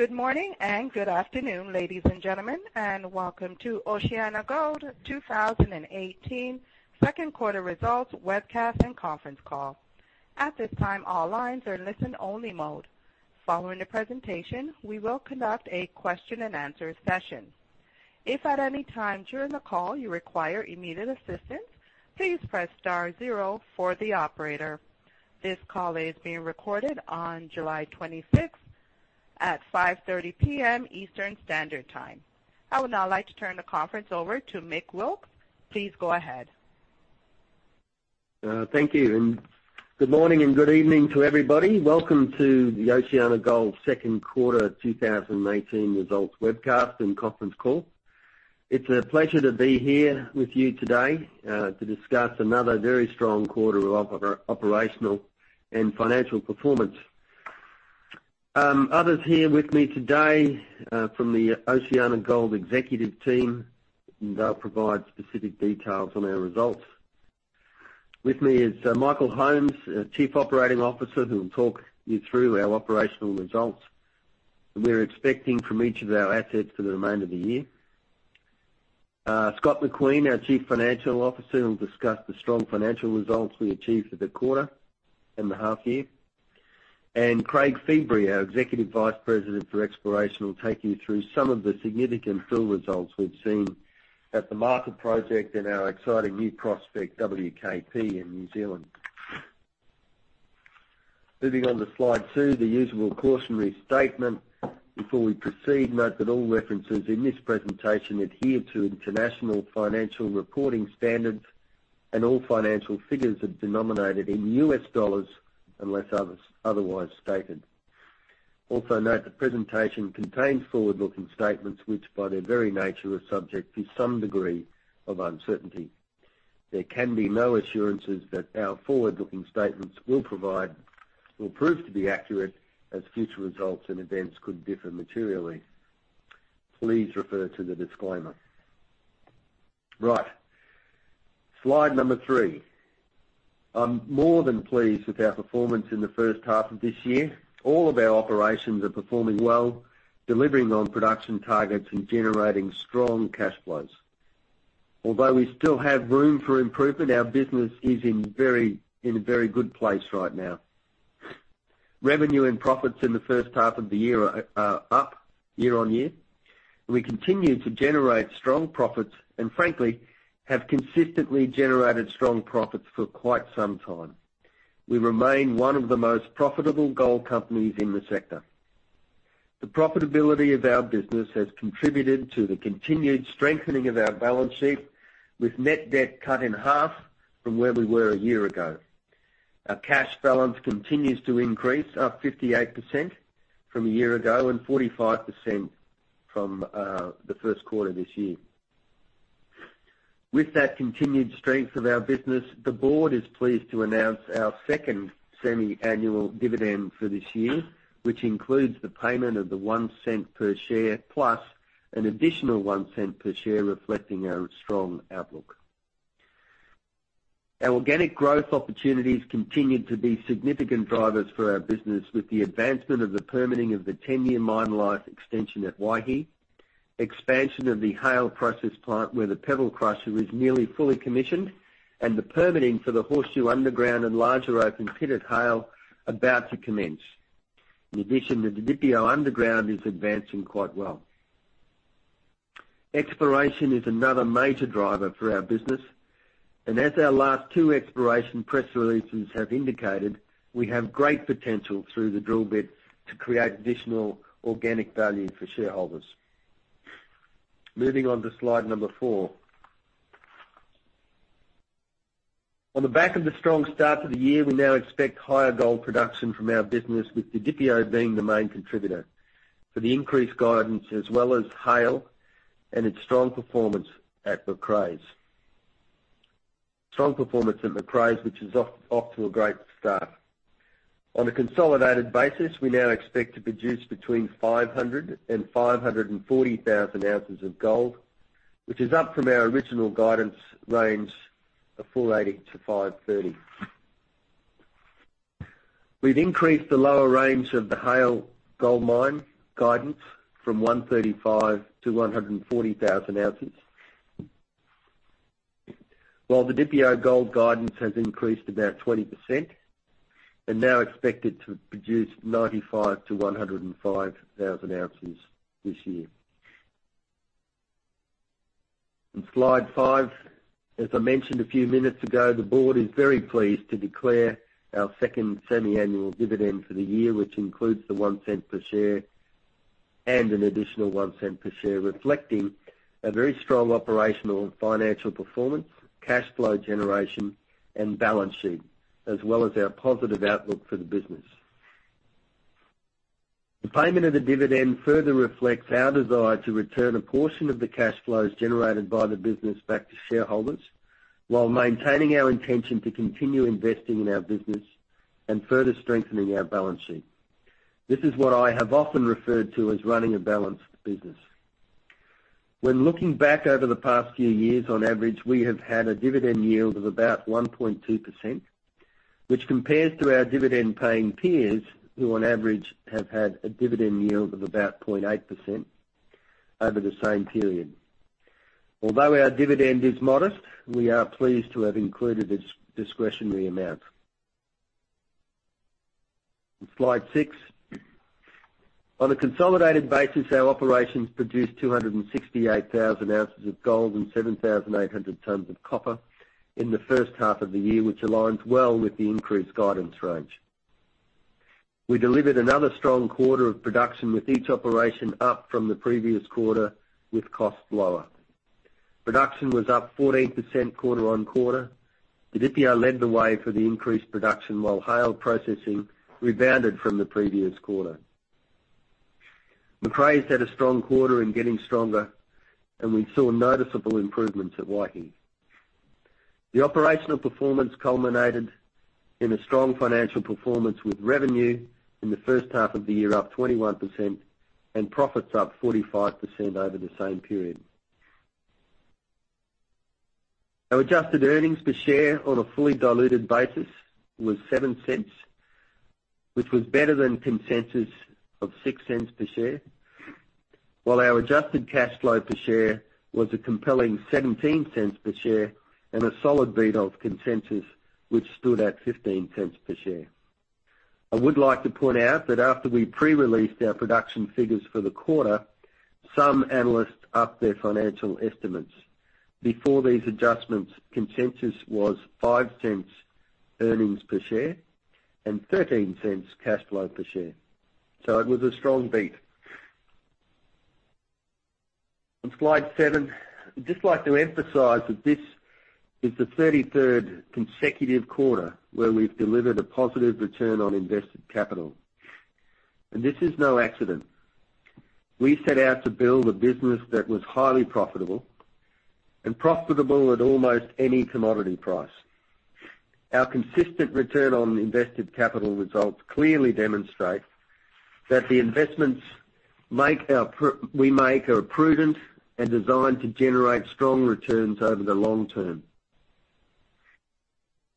Good morning and good afternoon, ladies and gentlemen, and welcome to OceanaGold 2018 second quarter results webcast and conference call. At this time, all lines are in listen only mode. Following the presentation, we will conduct a question and answer session. If at any time during the call you require immediate assistance, please press star zero for the operator. This call is being recorded on July 26th at 5:30 P.M. Eastern Standard Time. I would now like to turn the conference over to Mick Wilkes. Please go ahead. Thank you, good morning and good evening to everybody. Welcome to the OceanaGold second quarter 2018 results webcast and conference call. It's a pleasure to be here with you today to discuss another very strong quarter of operational and financial performance. Others here with me today from the OceanaGold executive team, and they'll provide specific details on our results. With me is Michael Holmes, Chief Operating Officer, who will talk you through our operational results we're expecting from each of our assets for the remainder of the year. Scott McLean, our Chief Financial Officer, will discuss the strong financial results we achieved for the quarter and the half year. Craig Feebrey, our Executive Vice President for Exploration, will take you through some of the significant drill results we've seen at the Martha project and our exciting new prospect, WKP, in New Zealand. Moving on to slide two, the usual cautionary statement. Before we proceed, note that all references in this presentation adhere to international financial reporting standards, and all financial figures are denominated in U.S. dollars unless otherwise stated. Also note, the presentation contains forward-looking statements which, by their very nature, are subject to some degree of uncertainty. There can be no assurances that our forward-looking statements will prove to be accurate, as future results and events could differ materially. Please refer to the disclaimer. Right. Slide number three. I'm more than pleased with our performance in the first half of this year. All of our operations are performing well, delivering on production targets, and generating strong cash flows. Although we still have room for improvement, our business is in a very good place right now. Revenue and profits in the first half of the year are up year-on-year. We continue to generate strong profits, frankly, have consistently generated strong profits for quite some time. We remain one of the most profitable gold companies in the sector. The profitability of our business has contributed to the continued strengthening of our balance sheet with net debt cut in half from where we were a year ago. Our cash balance continues to increase, up 58% from a year ago, 45% from the first quarter this year. With that continued strength of our business, the board is pleased to announce our second semi-annual dividend for this year, which includes the payment of the $0.01 per share plus an additional $0.01 per share, reflecting our strong outlook. Our organic growth opportunities continued to be significant drivers for our business with the advancement of the permitting of the 10-year mine life extension at Waihi, expansion of the Haile process plant where the pebble crusher is nearly fully commissioned, and the permitting for the Horseshoe underground and larger open pit at Haile about to commence. In addition, the Didipio underground is advancing quite well. Exploration is another major driver for our business. As our last two exploration press releases have indicated, we have great potential through the drill bit to create additional organic value for shareholders. Moving on to slide 4. On the back of the strong start to the year, we now expect higher gold production from our business, with Didipio being the main contributor for the increased guidance, as well as Haile and its strong performance at Macraes. Strong performance at Macraes, which is off to a great start. On a consolidated basis, we now expect to produce between 500,000 and 540,000 ounces of gold, which is up from our original guidance range of 480,000-530,000. We've increased the lower range of the Haile gold mine guidance from 135,000 to 140,000 ounces. While the Didipio gold guidance has increased about 20% and now expected to produce 95,000 to 105,000 ounces this year. On slide five, as I mentioned a few minutes ago, the board is very pleased to declare our second semi-annual dividend for the year, which includes the $0.01 per share and an additional $0.01 per share, reflecting a very strong operational and financial performance, cash flow generation, and balance sheet, as well as our positive outlook for the business. The payment of the dividend further reflects our desire to return a portion of the cash flows generated by the business back to shareholders, while maintaining our intention to continue investing in our business and further strengthening our balance sheet. This is what I have often referred to as running a balanced business. When looking back over the past few years, on average, we have had a dividend yield of about 1.2%, which compares to our dividend-paying peers, who on average have had a dividend yield of about 0.8% over the same period. Although our dividend is modest, we are pleased to have included a discretionary amount. On slide six. On a consolidated basis, our operations produced 268,000 ounces of gold and 7,800 tons of copper in the first half of the year, which aligns well with the increased guidance range. We delivered another strong quarter of production, with each operation up from the previous quarter, with costs lower. Production was up 14% quarter-on-quarter. Didipio led the way for the increased production, while Haile Processing rebounded from the previous quarter. Macraes had a strong quarter and getting stronger, and we saw noticeable improvements at Waihi. The operational performance culminated in a strong financial performance with revenue in the first half of the year up 21% and profits up 45% over the same period. Our adjusted earnings per share on a fully diluted basis was $0.07, which was better than consensus of $0.06 per share. While our adjusted cash flow per share was a compelling $0.17 per share and a solid beat of consensus, which stood at $0.15 per share. I would like to point out that after we pre-released our production figures for the quarter, some analysts upped their financial estimates. Before these adjustments, consensus was $0.05 earnings per share and $0.13 cash flow per share. It was a strong beat. On slide seven, I'd just like to emphasize that this is the 33rd consecutive quarter where we've delivered a positive return on invested capital. This is no accident. We set out to build a business that was highly profitable and profitable at almost any commodity price. Our consistent return on invested capital results clearly demonstrate that the investments we make are prudent and designed to generate strong returns over the long term.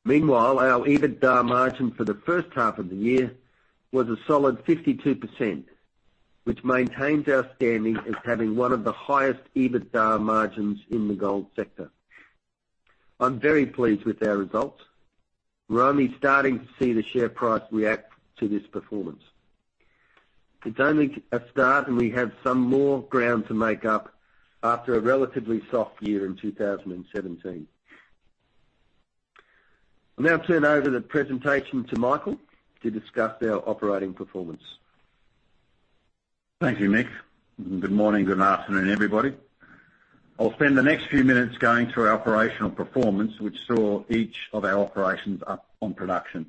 Meanwhile, our EBITDA margin for the first half of the year was a solid 52%, which maintains our standing as having one of the highest EBITDA margins in the gold sector. I'm very pleased with our results. We're only starting to see the share price react to this performance. It's only a start, and we have some more ground to make up after a relatively soft year in 2017. I'll now turn over the presentation to Michael to discuss our operating performance. Thank you, Mick. Good morning, good afternoon, everybody. I'll spend the next few minutes going through our operational performance, which saw each of our operations up on production.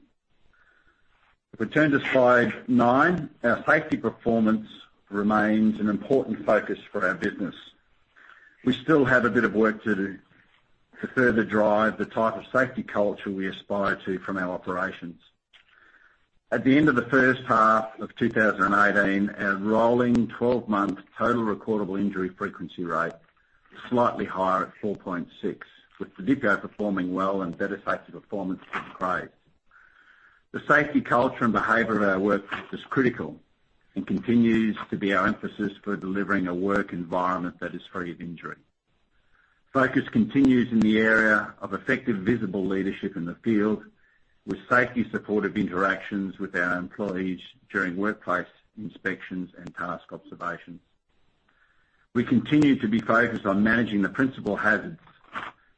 If we turn to slide nine, our safety performance remains an important focus for our business. We still have a bit of work to do to further drive the type of safety culture we aspire to from our operations. At the end of the first half of 2018, our rolling 12-month total recordable injury frequency rate is slightly higher at 4.6, with Didipio performing well and better safety performance from Macraes. The safety culture and behavior of our workforce is critical and continues to be our emphasis for delivering a work environment that is free of injury. Focus continues in the area of effective visible leadership in the field with safely supportive interactions with our employees during workplace inspections and task observations. We continue to be focused on managing the principal hazards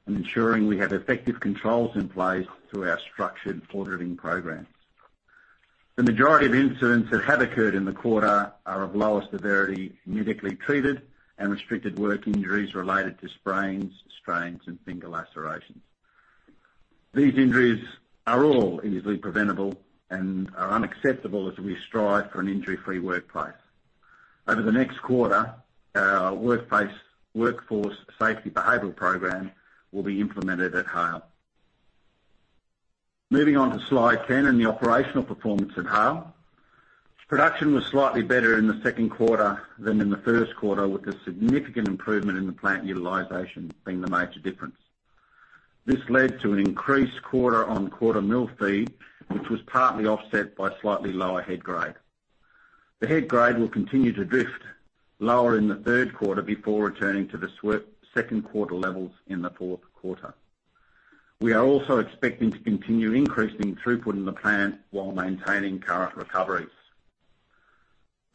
and ensuring we have effective controls in place through our structured forward-driving programs. The majority of incidents that have occurred in the quarter are of lower severity, medically treated, and restricted work injuries related to sprains, strains, and finger lacerations. These injuries are all easily preventable and are unacceptable as we strive for an injury-free workplace. Over the next quarter, our workplace workforce safety behavioral program will be implemented at Haile. Moving on to slide 10 and the operational performance at Haile. Production was slightly better in the second quarter than in the first quarter, with a significant improvement in the plant utilization being the major difference. This led to an increased quarter-on-quarter mill feed, which was partly offset by slightly lower head grade. The head grade will continue to drift lower in the third quarter before returning to the second quarter levels in the fourth quarter. We are also expecting to continue increasing throughput in the plant while maintaining current recoveries.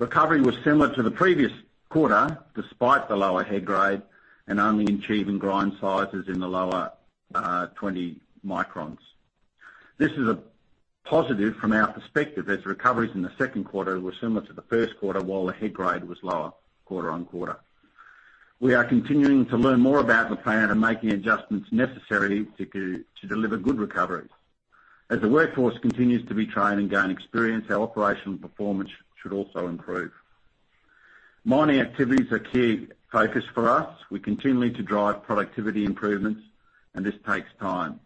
Recovery was similar to the previous quarter, despite the lower head grade and only achieving grind sizes in the lower 20 microns. This is a positive from our perspective, as recoveries in the second quarter were similar to the first quarter, while the head grade was lower quarter-on-quarter. We are continuing to learn more about the plant and making adjustments necessary to deliver good recoveries. As the workforce continues to be trained and gain experience, our operational performance should also improve. Mining activities are a key focus for us. We're continuing to drive productivity improvements. This takes time.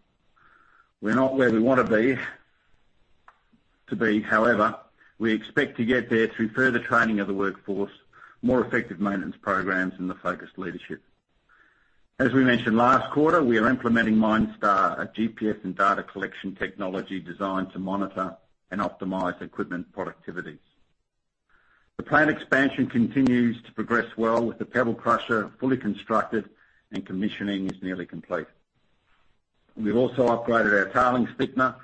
We're not where we want to be. However, we expect to get there through further training of the workforce, more effective maintenance programs, and the focused leadership. As we mentioned last quarter, we are implementing MineStar, a GPS and data collection technology designed to monitor and optimize equipment productivities. The plant expansion continues to progress well, with the pebble crusher fully constructed. Commissioning is nearly complete. We've also upgraded our tailings thickener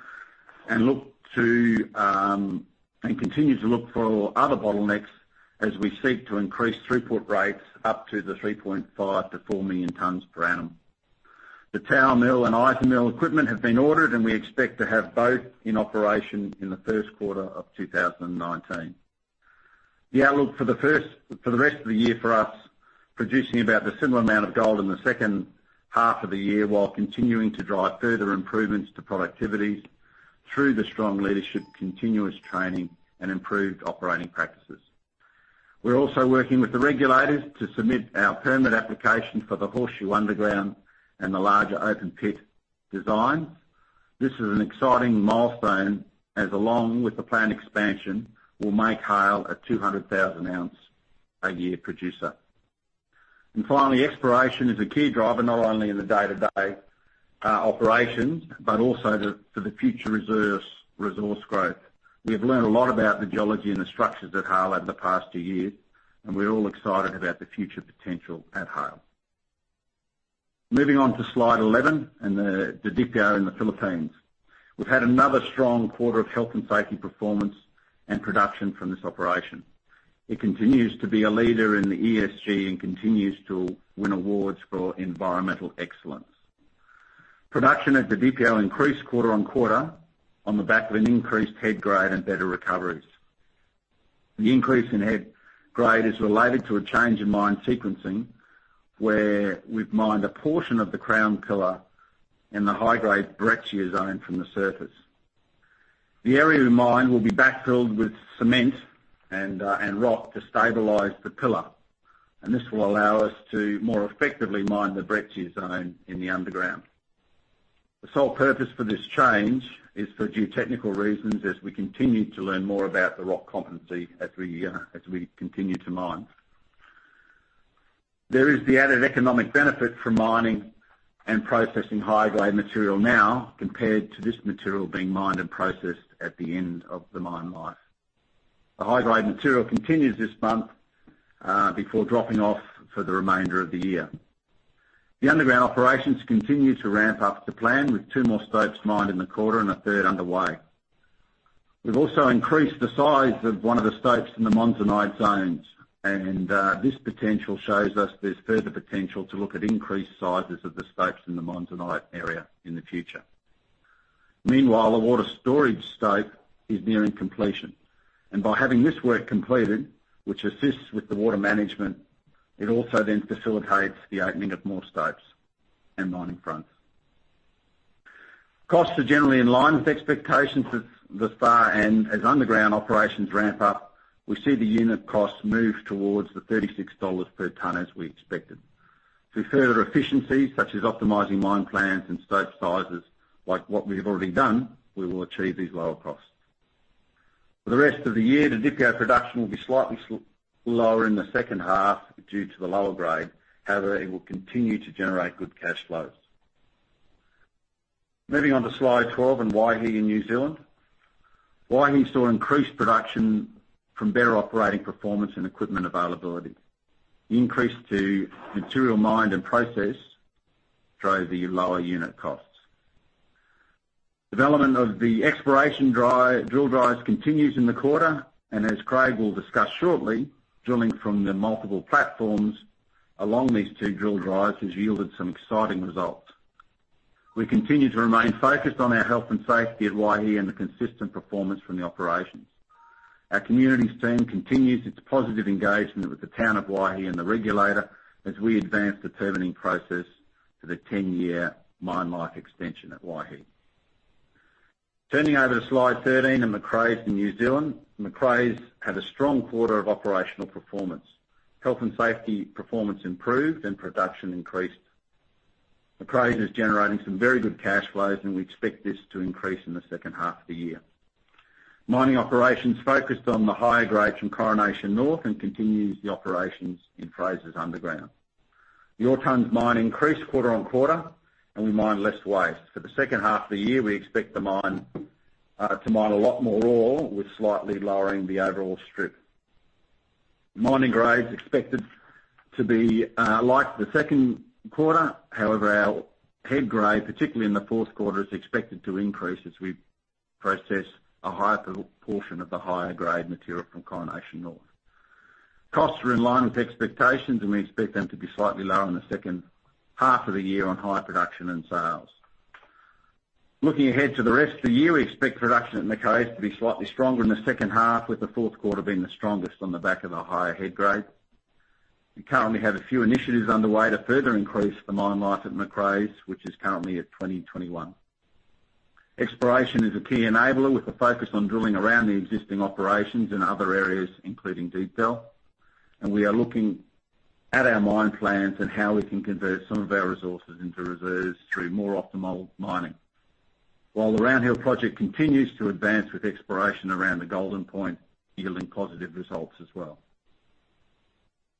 and continue to look for other bottlenecks as we seek to increase throughput rates up to the 3.5 million-4 million tons per annum. The tower mill and IsaMill equipment have been ordered, and we expect to have both in operation in the first quarter of 2019. The outlook for the rest of the year for us, producing about the similar amount of gold in the second half of the year, while continuing to drive further improvements to productivities through the strong leadership, continuous training, and improved operating practices. We're also working with the regulators to submit our permit application for the Horseshoe underground and the larger open pit design. This is an exciting milestone as along with the plant expansion, will make Haile a 200,000 ounce a year producer. Finally, exploration is a key driver, not only in the day-to-day operations, but also for the future resource growth. We have learned a lot about the geology and the structures at Haile over the past two years, and we're all excited about the future potential at Haile. Moving on to slide 11 and the Didipio in the Philippines. We've had another strong quarter of health and safety performance and production from this operation. It continues to be a leader in the ESG and continues to win awards for environmental excellence. Production at Didipio increased quarter on quarter on the back of an increased head grade and better recoveries. The increase in head grade is related to a change in mine sequencing, where we've mined a portion of the crown pillar in the high-grade breccia zone from the surface. The area we mine will be backfilled with cement and rock to stabilize the pillar. This will allow us to more effectively mine the breccia zone in the underground. The sole purpose for this change is for geotechnical reasons, as we continue to learn more about the rock competency as we continue to mine. There is the added economic benefit from mining and processing high-grade material now compared to this material being mined and processed at the end of the mine life. The high-grade material continues this month, before dropping off for the remainder of the year. The underground operations continue to ramp up the plan with two more stopes mined in the quarter and a third underway. We've also increased the size of one of the stopes in the monzonite zones. This potential shows us there's further potential to look at increased sizes of the stopes in the monzonite area in the future. Meanwhile, a water storage stope is nearing completion. By having this work completed, which assists with the water management, it also then facilitates the opening of more stopes and mining fronts. Costs are generally in line with expectations thus far. As underground operations ramp up, we see the unit costs move towards the $36 per ton as we expected. Through further efficiencies such as optimizing mine plans and stope sizes, like what we've already done, we will achieve these lower costs. For the rest of the year, the Didipio production will be slightly lower in the second half due to the lower grade. However, it will continue to generate good cash flows. Moving on to slide 12 and Waihi in New Zealand. Waihi saw increased production from better operating performance and equipment availability. The increase to material mined and processed drove the lower unit costs. Development of the exploration drill drives continues in the quarter. As Craig will discuss shortly, drilling from the multiple platforms along these two drill drives has yielded some exciting results. We continue to remain focused on our health and safety at Waihi and the consistent performance from the operations. Our communities team continues its positive engagement with the town of Waihi and the regulator as we advance the permitting process for the 10-year mine life extension at Waihi. Turning over to slide 13 in Macraes in New Zealand. Macraes had a strong quarter of operational performance. Health and safety performance improved. Production increased. Macraes is generating some very good cash flows, and we expect this to increase in the second half of the year. Mining operations focused on the high grades from Coronation North. Continues the operations in Frasers underground. The ore tons mined increased quarter on quarter. We mined less waste. For the second half of the year, we expect the mine to mine a lot more ore with slightly lowering the overall strip. Mining grade is expected to be like the second quarter. However, our head grade, particularly in the fourth quarter, is expected to increase as we process a higher portion of the higher-grade material from Coronation North. Costs are in line with expectations, we expect them to be slightly lower in the second half of the year on high production and sales. Looking ahead to the rest of the year, we expect production at Macraes to be slightly stronger in the second half, with the fourth quarter being the strongest on the back of a higher head grade. We currently have a few initiatives underway to further increase the mine life at Macraes, which is currently at 2021. Exploration is a key enabler, with a focus on drilling around the existing operations in other areas, including Deep Dell. We are looking at our mine plans and how we can convert some of our resources into reserves through more optimal mining. While the Round Hill project continues to advance with exploration around the Golden Point, yielding positive results as well.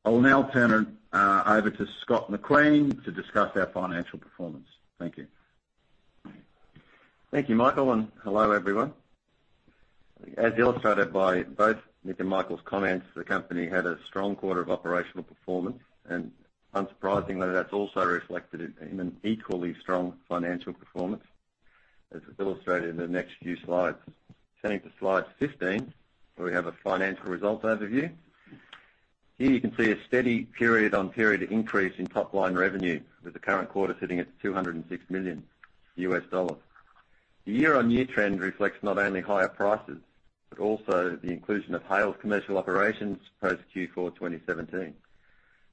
I will now turn it over to Scott McLean to discuss our financial performance. Thank you. Thank you, Michael, and hello, everyone. As illustrated by both Mick and Michael's comments, the company had a strong quarter of operational performance, and unsurprisingly, that is also reflected in an equally strong financial performance, as illustrated in the next few slides. Turning to slide 15, where we have a financial results overview. Here you can see a steady period-on-period increase in top-line revenue, with the current quarter sitting at $206 million. The year-on-year trend reflects not only higher prices, but also the inclusion of Haile's commercial operations post Q4 2017.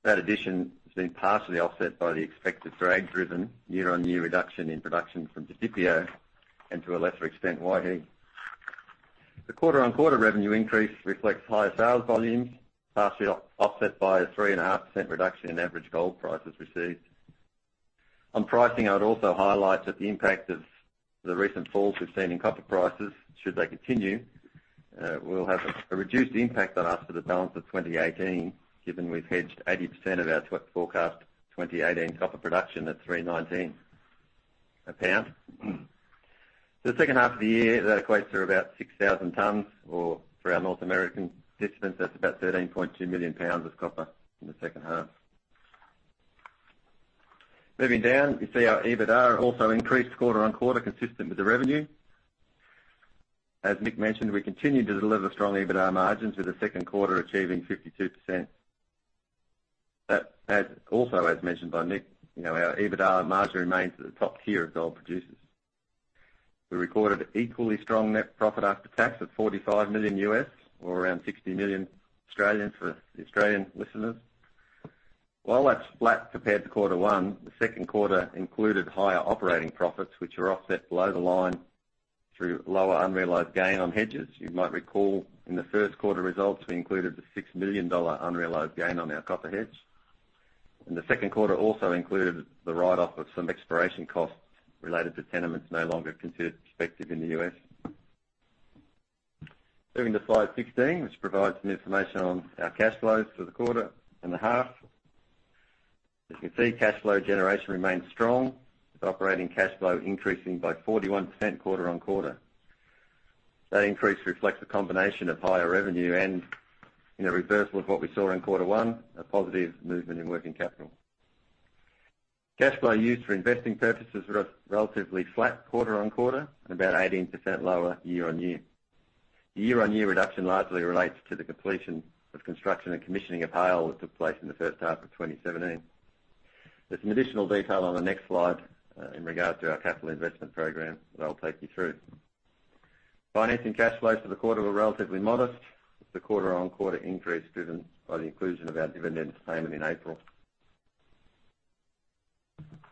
That addition has been partially offset by the expected drag-driven year-on-year reduction in production from Didipio, and to a lesser extent, Waihi. The quarter-on-quarter revenue increase reflects higher sales volumes, partially offset by a 3.5% reduction in average gold prices received. On pricing, I would also highlight that the impact of the recent falls we have seen in copper prices, should they continue, will have a reduced impact on us for the balance of 2018, given we have hedged 80% of our forecast 2018 copper production at $3.19 a pound. For the second half of the year, that equates to about 6,000 tons, or for our North American participants, that is about 13.2 million pounds of copper in the second half. Moving down, you see our EBITDA also increased quarter-on-quarter, consistent with the revenue. As Mick mentioned, we continued to deliver strong EBITDA margins, with the second quarter achieving 52%. Also as mentioned by Mick, our EBITDA margin remains at the top tier of gold producers. We recorded equally strong net profit after tax of $45 million, or around 60 million for the Australian listeners. While that's flat compared to quarter one, the second quarter included higher operating profits, which were offset below the line through lower unrealized gain on hedges. You might recall in the first quarter results, we included the $6 million unrealized gain on our copper hedge. The second quarter also included the write-off of some exploration costs related to tenements no longer considered prospective in the U.S. Moving to slide 16, which provides some information on our cash flows for the quarter and the half. As you can see, cash flow generation remains strong, with operating cash flow increasing by 41% quarter-on-quarter. That increase reflects a combination of higher revenue and, in a reversal of what we saw in quarter one, a positive movement in working capital. Cash flow used for investing purposes was relatively flat quarter-on-quarter and about 18% lower year-on-year. The year-on-year reduction largely relates to the completion of construction and commissioning of Haile that took place in the first half of 2017. There's some additional detail on the next slide in regards to our capital investment program that I'll take you through. Financing cash flows for the quarter were relatively modest, with the quarter-on-quarter increase driven by the inclusion of our dividend payment in April.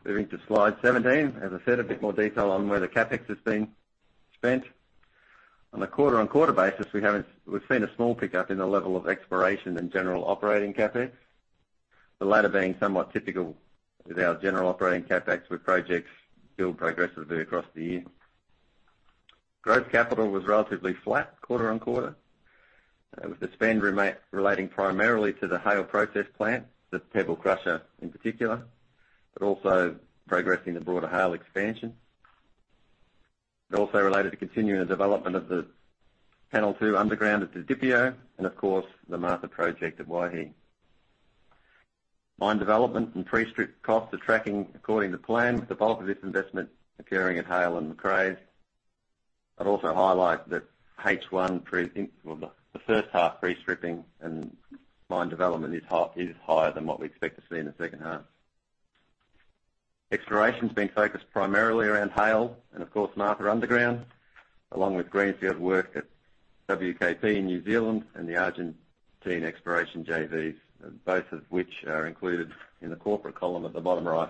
Moving to slide 17, as I said, a bit more detail on where the CapEx has been spent. On a quarter-on-quarter basis, we've seen a small pickup in the level of exploration in general operating CapEx, the latter being somewhat typical with our general operating CapEx with projects built progressively across the year. Growth capital was relatively flat quarter-on-quarter, with the spend relating primarily to the Haile process plant, the pebble crusher in particular, but also progressing the broader Haile expansion. It also related to continuing the development of the panel 2 underground at Didipio and of course, the Martha project at Waihi. Mine development and pre-strip costs are tracking according to plan, with the bulk of this investment occurring at Haile and Macraes. I'd also highlight that H1, the first half pre-stripping and mine development is higher than what we expect to see in the second half. Exploration's been focused primarily around Haile and of course, Martha Underground, along with greenfield work at WKP in New Zealand and the Argentine exploration JVs, both of which are included in the corporate column at the bottom right.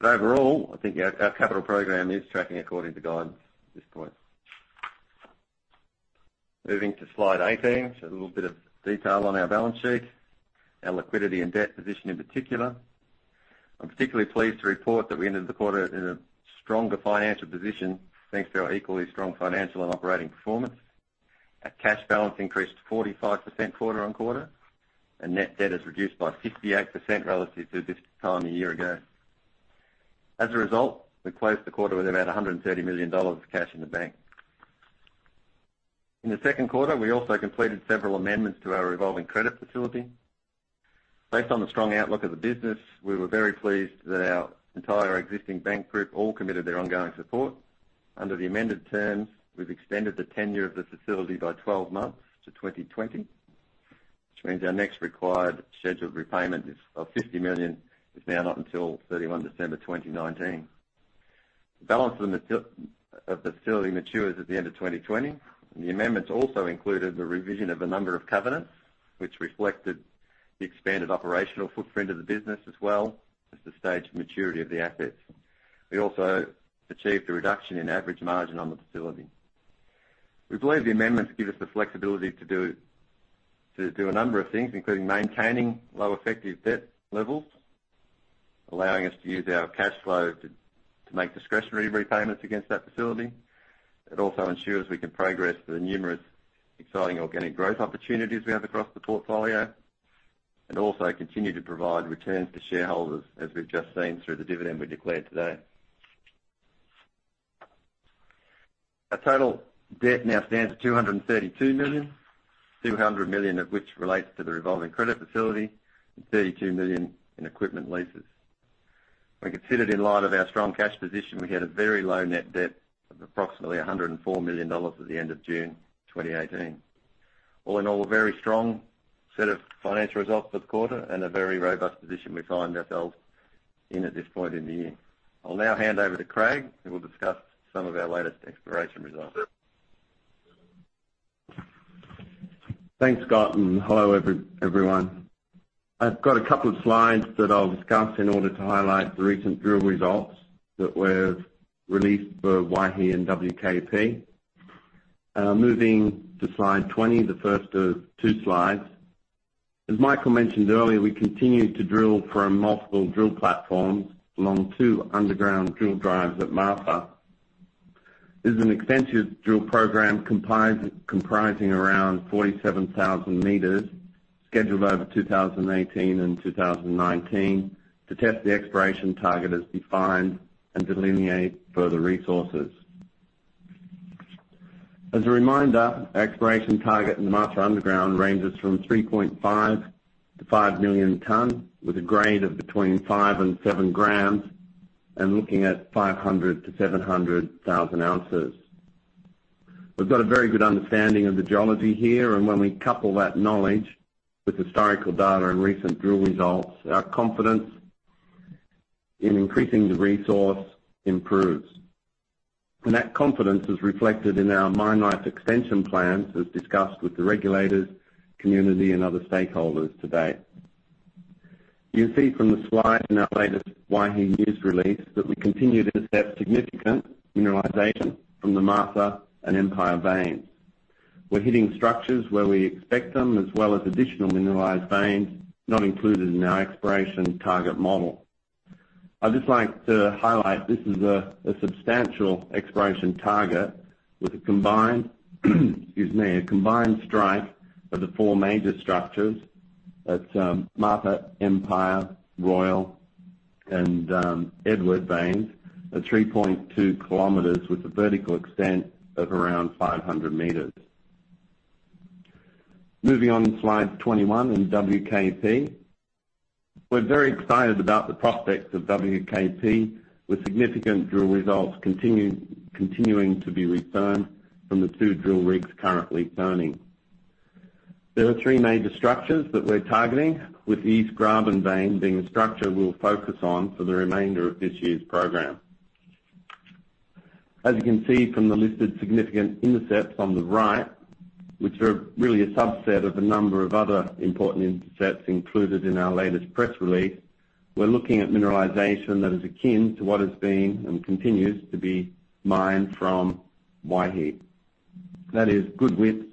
But overall, I think our capital program is tracking according to guidance at this point. Moving to slide 18, so a little bit of detail on our balance sheet, our liquidity and debt position in particular. I'm particularly pleased to report that we ended the quarter in a stronger financial position, thanks to our equally strong financial and operating performance. Our cash balance increased 45% quarter-on-quarter, and net debt is reduced by 58% relative to this time a year ago. As a result, we closed the quarter with about $130 million of cash in the bank. In the second quarter, we also completed several amendments to our revolving credit facility. Based on the strong outlook of the business, we were very pleased that our entire existing bank group all committed their ongoing support. Under the amended terms, we've extended the tenure of the facility by 12 months to 2020, which means our next required scheduled repayment of $50 million is now not until 31 December 2019. The balance of the facility matures at the end of 2020. The amendments also included the revision of a number of covenants, which reflected the expanded operational footprint of the business, as well as the stage of maturity of the assets. We also achieved a reduction in average margin on the facility. We believe the amendments give us the flexibility to do a number of things, including maintaining low effective debt levels, allowing us to use our cash flow to make discretionary repayments against that facility. It also ensures we can progress the numerous exciting organic growth opportunities we have across the portfolio. Also continue to provide returns to shareholders, as we've just seen through the dividend we declared today. Our total debt now stands at $232 million, $200 million of which relates to the revolving credit facility and $32 million in equipment leases. When considered in light of our strong cash position, we had a very low net debt of approximately $104 million at the end of June 2018. All in all, a very strong set of financial results for the quarter and a very robust position we find ourselves in at this point in the year. I'll now hand over to Craig, who will discuss some of our latest exploration results. Thanks, Scott. Hello everyone. I've got a couple of slides that I'll discuss in order to highlight the recent drill results that were released for Waihi and WKP. Moving to slide 20, the first of two slides. As Michael mentioned earlier, we continued to drill from multiple drill platforms along two underground drill drives at Martha. This is an extensive drill program comprising around 47,000 meters, scheduled over 2018 and 2019 to test the exploration target as defined and delineate further resources. As a reminder, exploration target in the Martha underground ranges from 3.5 to 5 million ton with a grade of between five and seven grams and looking at 500 to 700,000 ounces. When we couple that knowledge with historical data and recent drill results, our confidence in increasing the resource improves. That confidence is reflected in our mine life extension plans as discussed with the regulators, community, and other stakeholders to date. You'll see from the slide in our latest Waihi news release that we continue to intercept significant mineralization from the Martha and Empire veins. We're hitting structures where we expect them, as well as additional mineralized veins not included in our exploration target model. I'd just like to highlight, this is a substantial exploration target with a combined, excuse me, a combined strike of the four major structures. That's Martha, Empire, Royal, and Edward veins, are 3.2 kilometers with a vertical extent of around 500 meters. Moving on to slide 21 in WKP. We're very excited about the prospects of WKP with significant drill results continuing to be returned from the two drill rigs currently turning. There are three major structures that we're targeting, with the East Graben vein being the structure we'll focus on for the remainder of this year's program. As you can see from the listed significant intercepts on the right, which are really a subset of a number of other important intercepts included in our latest press release, we're looking at mineralization that is akin to what is being and continues to be mined from Waihi. That is good width.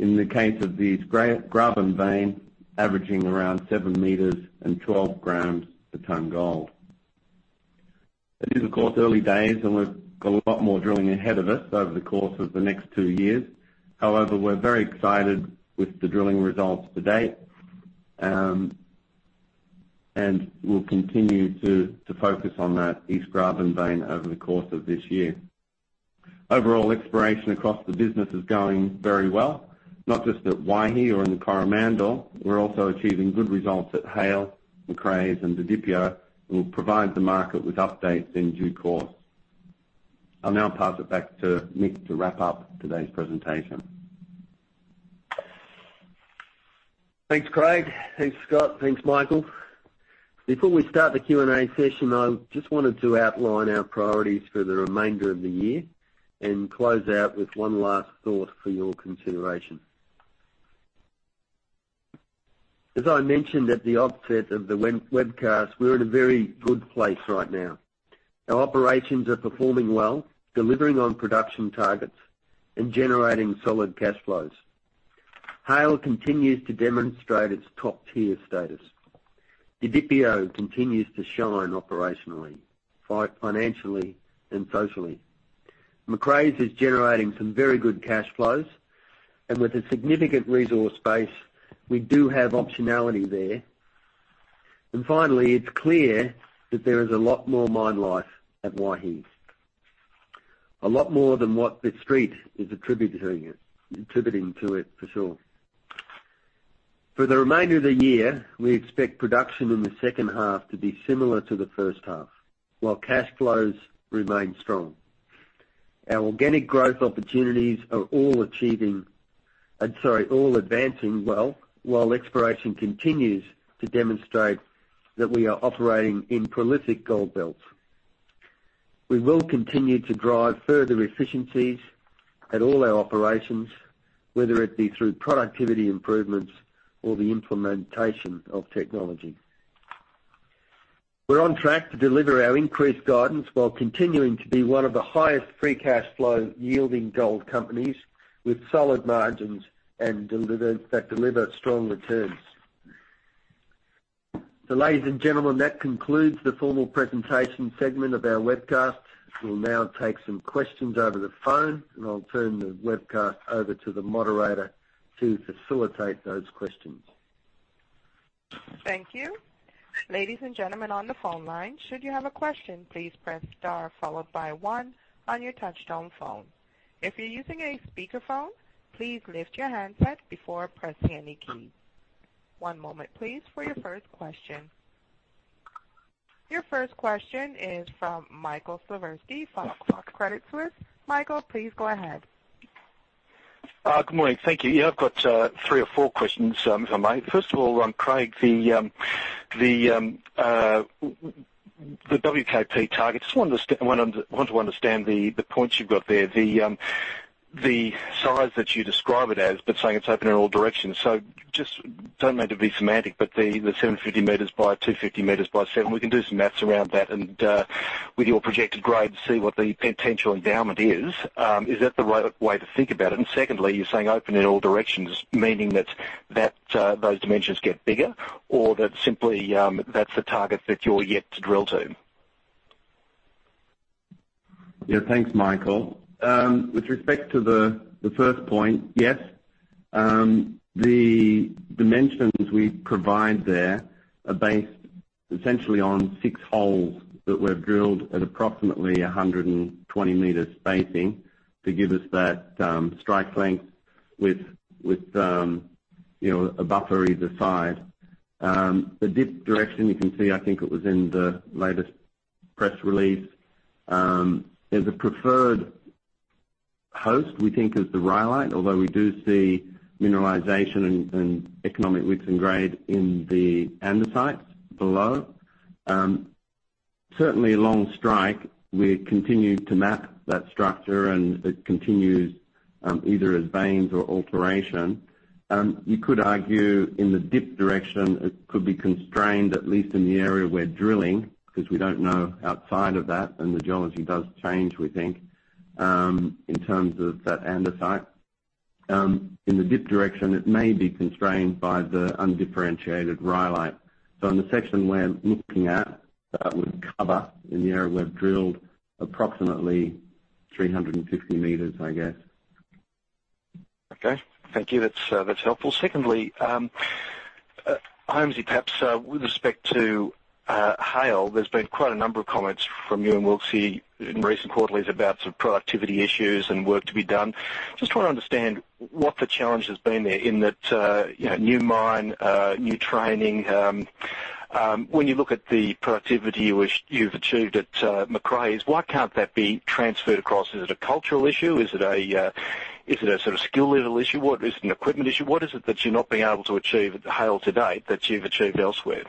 In the case of these Graben vein, averaging around seven meters and 12 grams per ton gold. It is, of course, early days, and we've got a lot more drilling ahead of us over the course of the next two years. However, we're very excited with the drilling results to date. We'll continue to focus on that East Graben vein over the course of this year. Overall exploration across the business is going very well, not just at Waihi or in the Coromandel. We're also achieving good results at Haile, Macraes, and Didipio, and we'll provide the market with updates in due course. I'll now pass it back to Mick to wrap up today's presentation. Thanks, Craig. Thanks, Scott. Thanks, Michael. Before we start the Q&A session, I just wanted to outline our priorities for the remainder of the year and close out with one last thought for your consideration. As I mentioned at the offset of the webcast, we're in a very good place right now. Our operations are performing well, delivering on production targets, and generating solid cash flows. Haile continues to demonstrate its top-tier status. Didipio continues to shine operationally, financially, and socially. Macraes is generating some very good cash flows, and with a significant resource base, we do have optionality there. Finally, it's clear that there is a lot more mine life at Waihi. A lot more than what the Street is attributing to it, for sure. For the remainder of the year, we expect production in the second half to be similar to the first half while cash flows remain strong. Our organic growth opportunities are all advancing well, while exploration continues to demonstrate that we are operating in prolific gold belts. We will continue to drive further efficiencies at all our operations, whether it be through productivity improvements or the implementation of technology. We're on track to deliver our increased guidance while continuing to be one of the highest free cash flow yielding gold companies with solid margins and that deliver strong returns. Ladies and gentlemen, that concludes the formal presentation segment of our webcast. We'll now take some questions over the phone, and I'll turn the webcast over to the moderator to facilitate those questions. Thank you. Ladies and gentlemen on the phone line, should you have a question, please press star followed by one on your touchtone phone. If you're using a speakerphone, please lift your handset before pressing any keys. One moment, please, for your first question. Your first question is from Michael Slifirski, Credit Suisse. Michael, please go ahead. Good morning. Thank you. I've got three or four questions, if I may. First of all, Craig, the WKP target, I want to understand the points you've got there. The size that you describe it as, but saying it's open in all directions. Just don't mean to be semantic, but the 750 meters by 250 meters by seven, we can do some maths around that and, with your projected grade, see what the potential endowment is. Is that the right way to think about it? Secondly, you're saying open in all directions, meaning that those dimensions get bigger or that simply that's the target that you're yet to drill to? Thanks, Michael. With respect to the first point, yes, the dimensions we provide there are based essentially on six holes that were drilled at approximately 120 meters spacing to give us that strike length with a buffer either side. The dip direction you can see, I think it was in the latest press release. There's a preferred host we think is the rhyolite, although we do see mineralization and economic widths in grade in the andesites below. Certainly along strike, we continue to map that structure and it continues either as veins or alteration. You could argue in the dip direction it could be constrained, at least in the area we're drilling, because we don't know outside of that and the geology does change, we think, in terms of that andesite. In the dip direction, it may be constrained by the undifferentiated rhyolite. In the section we're looking at, that would cover in the area we've drilled approximately 350 meters, I guess. Okay. Thank you. That's helpful. Secondly, Holmesy, perhaps with respect to Haile, there's been quite a number of comments from you and Wilkesy in recent quarterlies about sort of productivity issues and work to be done. Just want to understand what the challenge has been there in that new mine, new training. When you look at the productivity you've achieved at Macraes, why can't that be transferred across? Is it a cultural issue? Is it a sort of skill level issue? Is it an equipment issue? What is it that you're not being able to achieve at Haile to date that you've achieved elsewhere?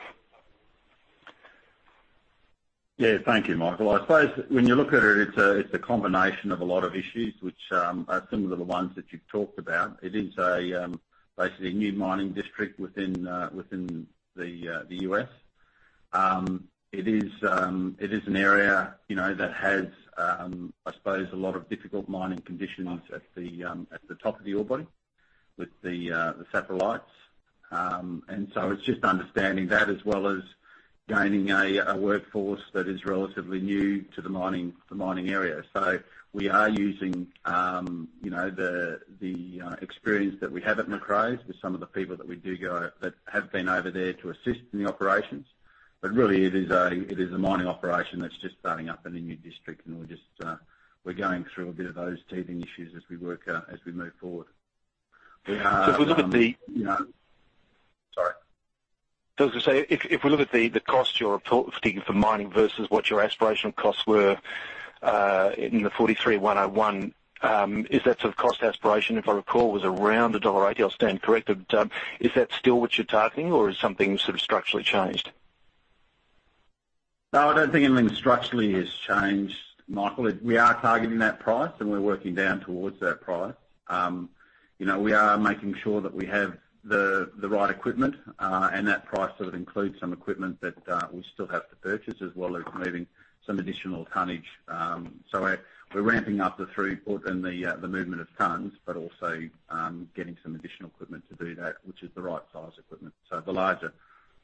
Yeah. Thank you, Michael. I suppose when you look at it's a combination of a lot of issues which are similar to ones that you've talked about. It is basically a new mining district within the U.S. It is an area that has, I suppose, a lot of difficult mining conditions at the top of the ore body with the saprolite. It's just understanding that as well as gaining a workforce that is relatively new to the mining area. We are using the experience that we have at Macraes with some of the people that have been over there to assist in the operations. Really it is a mining operation that's just starting up in a new district and we're going through a bit of those teething issues as we work out, as we move forward. So if we look at the- Sorry. I was gonna say, if we look at the cost you're reporting for mining versus what your aspirational costs were, in the NI 43-101, is that sort of cost aspiration, if I recall, was around $1.80. I'll stand corrected. Is that still what you're targeting or has something sort of structurally changed? I don't think anything structurally has changed, Michael. We are targeting that price and we're working down towards that price. We are making sure that we have the right equipment, and that price sort of includes some equipment that we still have to purchase as well as moving some additional tonnage. We're ramping up the throughput and the movement of tons but also getting some additional equipment to do that, which is the right size equipment. The larger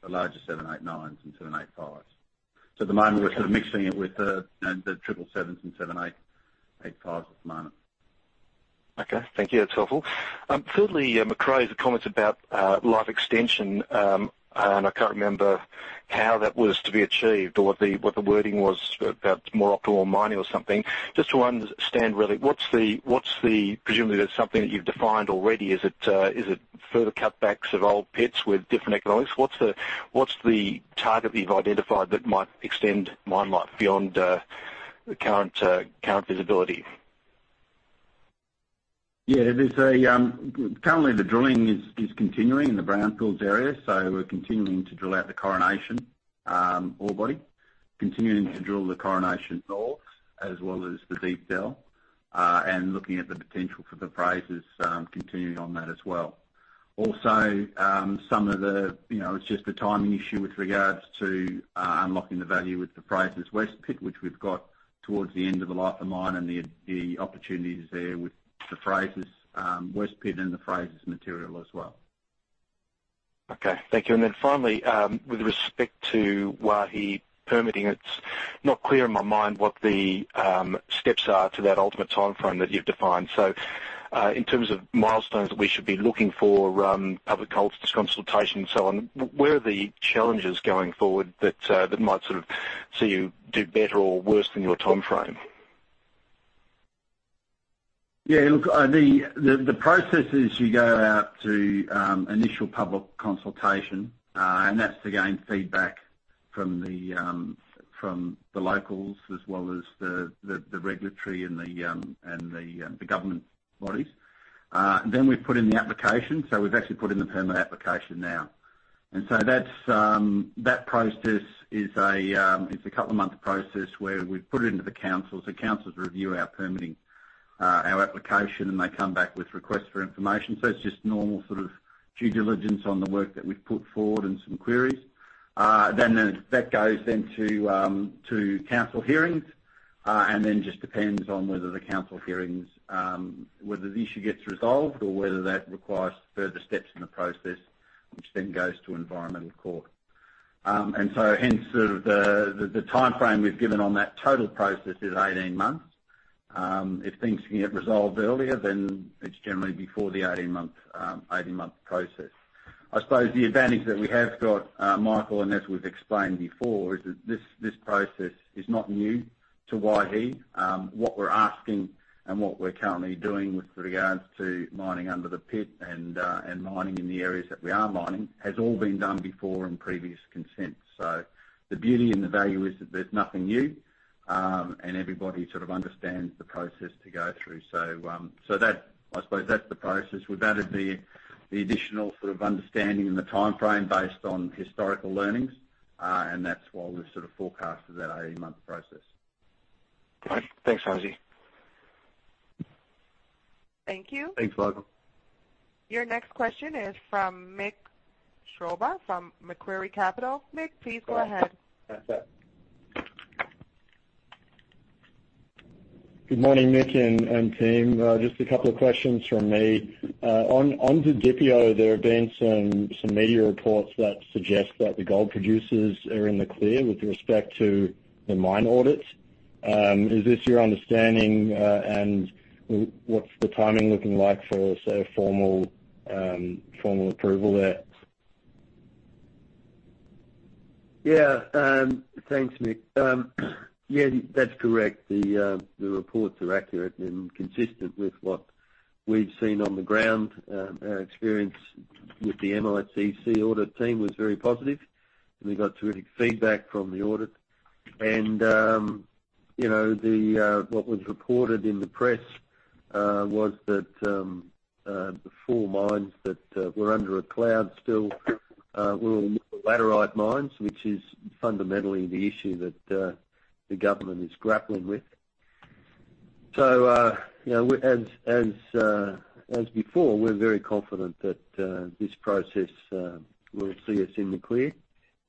789s and 785s. At the moment we're sort of mixing it with the 777s and 785s at the moment. Thank you. That's helpful. Thirdly, Macraes, the comments about life extension, and I can't remember how that was to be achieved or what the wording was about more optimal mining or something. Just to understand really, presumably that's something that you've defined already. Is it further cutbacks of old pits with different economics? What's the target that you've identified that might extend mine life beyond current visibility? Currently the drilling is continuing in the Brownfields area, we're continuing to drill out the Coronation ore body, continuing to drill the Coronation North as well as the Deep South, and looking at the potential for the Frasers continuing on that as well. It's just a timing issue with regards to unlocking the value with the Frasers West Pit, which we've got towards the end of the life of the mine, and the opportunities there with the Frasers West Pit and the Frasers material as well. Okay. Thank you. Finally, with respect to Waihi permitting, it's not clear in my mind what the steps are to that ultimate timeframe that you've defined. In terms of milestones that we should be looking for, public consultation and so on, where are the challenges going forward that might sort of see you do better or worse than your timeframe? Yeah, look, the process is you go out to initial public consultation, and that's to gain feedback from the locals as well as the regulatory and the government bodies. We put in the application. We've actually put in the permit application now. That process is a couple of months process where we put it into the councils. The councils review our permitting, our application, and they come back with requests for information. It's just normal sort of due diligence on the work that we've put forward and some queries. That goes then to council hearings, and then just depends on whether the council hearings, whether the issue gets resolved or whether that requires further steps in the process, which then goes to Environment Court. Hence sort of the timeframe we've given on that total process is 18 months. If things can get resolved earlier, then it's generally before the 18-month process. I suppose the advantage that we have got, Michael, and as we've explained before, is that this process is not new to Waihi. What we're asking and what we're currently doing with regards to mining under the pit and mining in the areas that we are mining, has all been done before in previous consents. The beauty and the value is that there's nothing new, and everybody sort of understands the process to go through. That, I suppose that's the process. We've added the additional sort of understanding and the timeframe based on historical learnings, and that's why we've sort of forecasted that 18-month process. All right. Thanks, Michael. Thank you. Thanks, Michael. Your next question is from Mick Schroba, from Macquarie Capital. Mick, please go ahead. Good morning, Mick and team. Just a couple of questions from me. On to Didipio, there have been some media reports that suggest that the gold producers are in the clear with respect to the mine audits. Is this your understanding, and what's the timing looking like for, say, formal approval there? Yeah. Thanks, Mick. Yeah, that's correct. The reports are accurate and consistent with what we've seen on the ground. Our experience with the MICC audit team was very positive. We got terrific feedback from the audit. What was reported in the press, was that, the four mines that were under a cloud still were all laterite mines, which is fundamentally the issue that the government is grappling with. As before, we're very confident that this process will see us in the clear.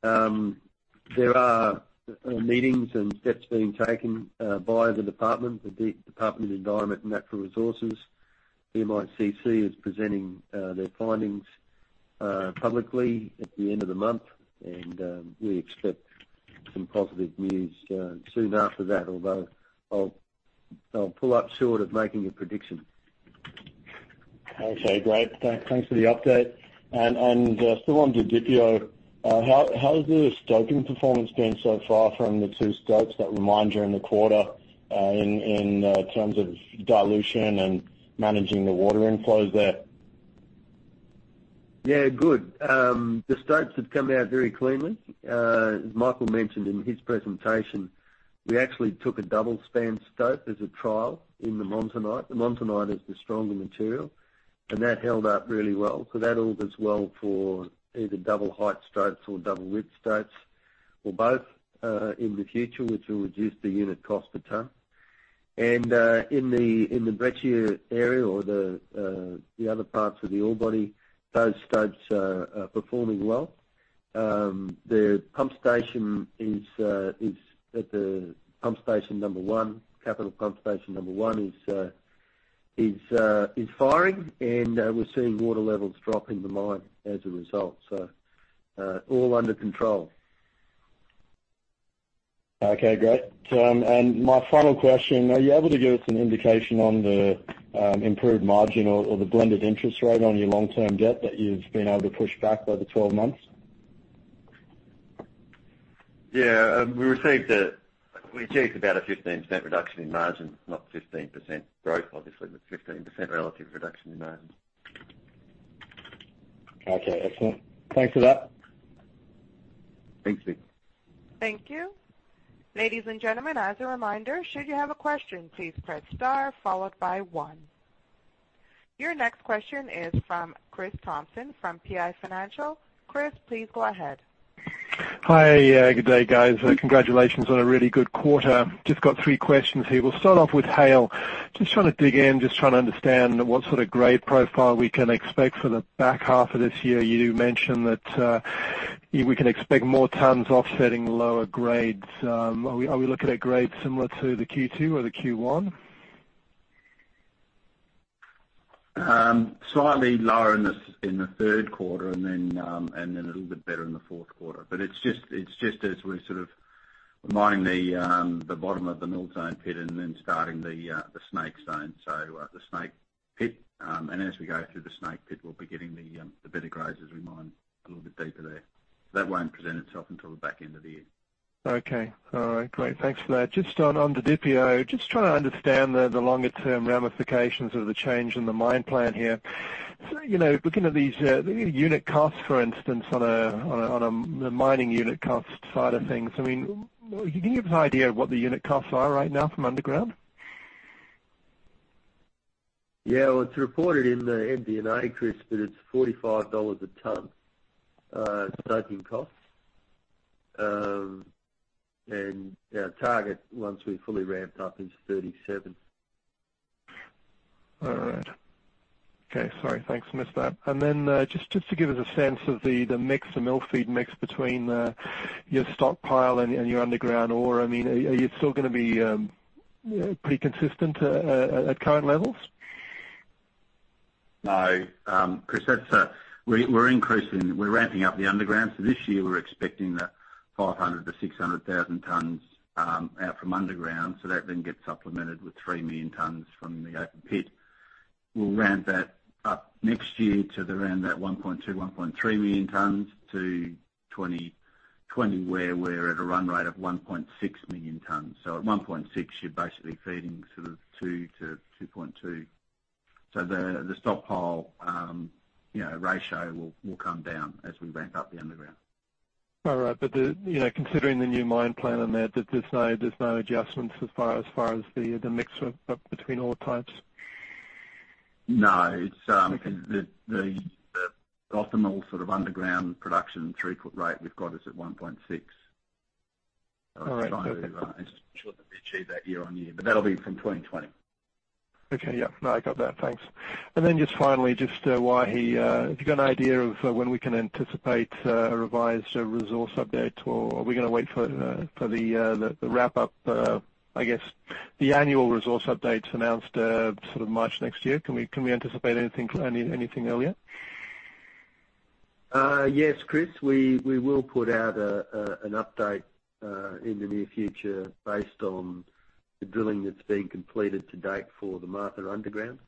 There are meetings and steps being taken by the department, the Department of Environment and Natural Resources. MICC is presenting their findings publicly at the end of the month, and we expect some positive news soon after that, although I'll pull up short of making a prediction. Okay, great. Thanks for the update. Still on Didipio, how has the stoping performance been so far from the two stopes that were mined during the quarter in terms of dilution and managing the water inflows there? Yeah. Good. The stopes have come out very cleanly. As Michael mentioned in his presentation, we actually took a double span stope as a trial in the monzonite. The monzonite is the stronger material. That held up really well. That all does well for either double height stopes or double width stopes or both, in the future, which will reduce the unit cost a ton. In the breccia area or the other parts of the ore body, those stopes are performing well. The pump station is at the pump station number 1, capital pump station number 1 is firing, and we're seeing water levels drop in the mine as a result. All under control. Okay. Great. My final question, are you able to give us an indication on the improved margin or the blended interest rate on your long-term debt that you've been able to push back over 12 months? Yeah. We achieved about a 15% reduction in margin, not 15% growth, obviously, but 15% relative reduction in margin. Okay. Excellent. Thanks for that. Thanks, Mick. Thank you. Ladies and gentlemen, as a reminder, should you have a question, please press star followed by one. Your next question is from Chris Thompson from PI Financial. Chris, please go ahead. Hi. Good day, guys. Congratulations on a really good quarter. Just got three questions here. We'll start off with Haile. Just trying to dig in, just trying to understand what sort of grade profile we can expect for the back half of this year. You mentioned that we can expect more tons offsetting lower grades. Are we looking at grades similar to the Q2 or the Q1? Slightly lower in the third quarter, then a little bit better in the fourth quarter. It's just as we're sort of mining the bottom of the Mill Zone pit then starting the Snake zone, so the Snake pit. As we go through the Snake pit, we'll be getting the better grades as we mine a little bit deeper there. That won't present itself until the back end of the year. Okay. All right. Great. Thanks for that. Just on the Didipio, just trying to understand the longer-term ramifications of the change in the mine plan here. Looking at these unit costs, for instance, on a mining unit cost side of things, can you give us an idea of what the unit costs are right now from underground? Well, it's reported in the MD&A, Chris, it's $45 a ton, stoping costs. Our target, once we're fully ramped up, is 37. All right. Okay. Sorry, thanks, missed that. Just to give us a sense of the mix, the mill feed mix between your stockpile and your underground ore, are you still gonna be pretty consistent at current levels? No, Chris, we're increasing, we're ramping up the underground. This year, we're expecting that 500,000 to 600,000 tons out from underground, that then gets supplemented with 3 million tons from the open pit. We'll ramp that up next year to around that 1.2, 1.3 million tons to 2020, where we're at a run rate of 1.6 million tons. At 1.6, you're basically feeding sort of 2 to 2.2. The stockpile ratio will come down as we ramp up the underground. All right. Considering the new mine plan and that, there's no adjustments as far as the mix between ore types? No. Okay. The optimal sort of underground production throughput rate we've got is at 1.6. All right. Okay. It's short to be achieved that year-on-year. That'll be from 2020. Okay. Yeah. No, I got that. Thanks. Just finally, just Waihi. Have you got an idea of when we can anticipate a revised resource update, or are we gonna wait for the wrap up, I guess, the annual resource updates announced sort of March next year? Can we anticipate anything earlier? Yes, Chris. We will put out an update in the near future based on the drilling that's been completed to date for the Martha underground.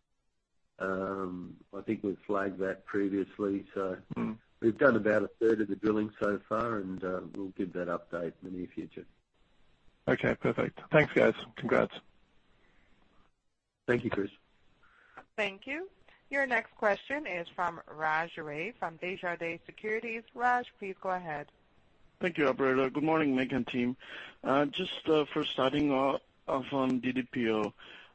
I think we've flagged that previously. We've done about a third of the drilling so far, and we'll give that update in the near future. Okay, perfect. Thanks, guys. Congrats. Thank you, Chris. Thank you. Your next question is from Raj Ray from Desjardins Securities. Raj, please go ahead. Thank you, operator. Good morning, Mike and team. Just for starting off on Didipio.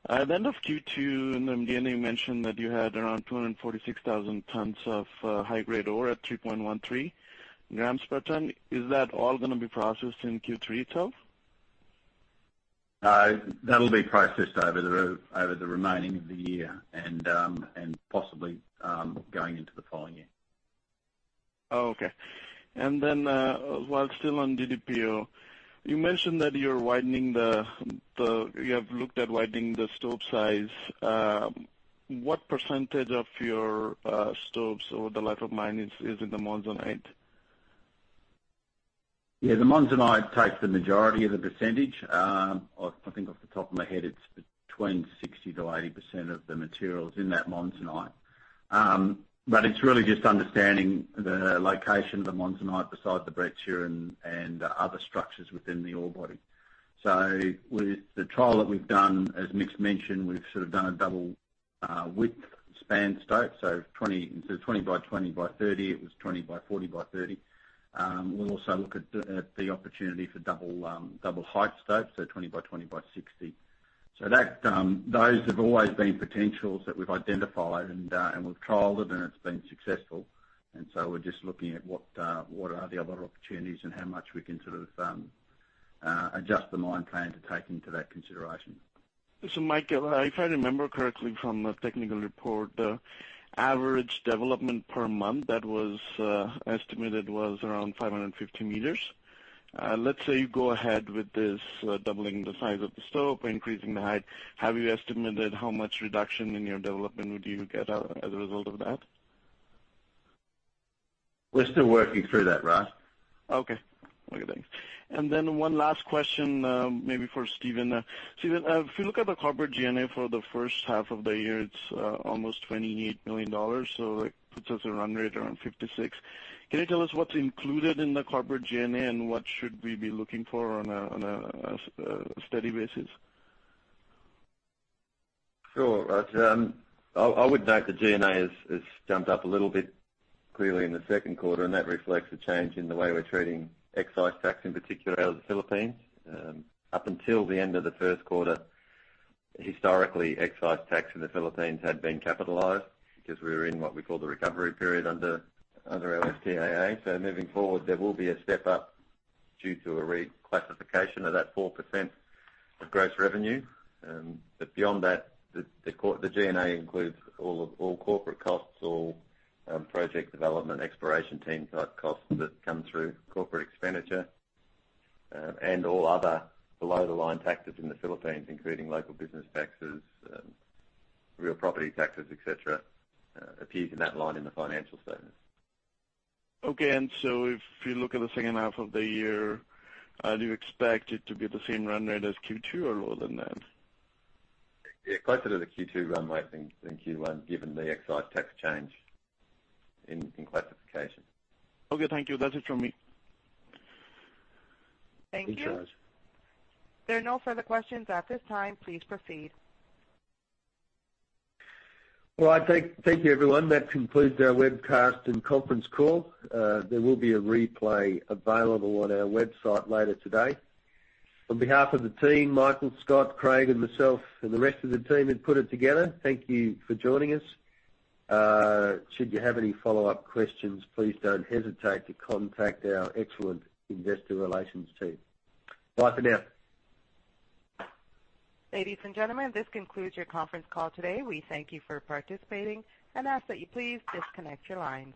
At the end of Q2, in the MD&A, you mentioned that you had around 246,000 tons of high-grade ore at 3.13 grams per ton. Is that all gonna be processed in Q3 itself? No, that'll be processed over the remaining of the year and possibly going into the following year. Oh, okay. Then, while still on Didipio, you mentioned that you have looked at widening the stope size. What % of your stopes over the life of mine is in the monzonite? Yeah, the monzonite takes the majority of the percentage. I think off the top of my head, it's between 60%-80% of the materials in that monzonite. It's really just understanding the location of the monzonite beside the breccia and the other structures within the ore body. The trial that we've done, as Mick's mentioned, we've sort of done a double-width span stope, so instead of 20 by 20 by 30, it was 20 by 40 by 30. We'll also look at the opportunity for double height stope, so 20 by 20 by 60. Those have always been potentials that we've identified, and we've trialed it, and it's been successful. We're just looking at what are the other opportunities and how much we can sort of adjust the mine plan to take into that consideration. Michael, if I remember correctly from the technical report, the average development per month that was estimated was around 550 meters. Let's say you go ahead with this doubling the size of the stope, increasing the height. Have you estimated how much reduction in your development would you get as a result of that? We're still working through that, Raj. Okay. Okay, thanks. One last question, maybe for Scott. Scott, if you look at the corporate G&A for the first half of the year, it's almost $28 million, so it puts us at run rate around $56 million. Can you tell us what's included in the corporate G&A, and what should we be looking for on a steady basis? Sure, Raj. I would note the G&A has jumped up a little bit clearly in the second quarter, that reflects a change in the way we're treating excise tax, in particular out of the Philippines. Up until the end of the first quarter, historically, excise tax in the Philippines had been capitalized because we were in what we call the recovery period under our FTAA. Moving forward, there will be a step up due to a reclassification of that 4% of gross revenue. Beyond that, the G&A includes all corporate costs, all project development, exploration team type costs that come through corporate expenditure, and all other below-the-line taxes in the Philippines, including local business taxes, real property taxes, et cetera, appears in that line in the financial statements. Okay. If you look at the second half of the year, do you expect it to be the same run rate as Q2 or lower than that? Yeah, closer to the Q2 run rate than Q1, given the excise tax change in classification. Okay, thank you. That's it from me. Thank you. Thank you, Raj. There are no further questions at this time. Please proceed. Well, thank you, everyone. That concludes our webcast and conference call. There will be a replay available on our website later today. On behalf of the team, Michael, Scott, Craig, and myself, and the rest of the team that put it together, thank you for joining us. Should you have any follow-up questions, please don't hesitate to contact our excellent investor relations team. Bye for now. Ladies and gentlemen, this concludes your conference call today. We thank you for participating and ask that you please disconnect your lines.